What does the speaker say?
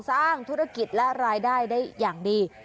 สร้างธุรกิจและรายได้ได้อย่างดี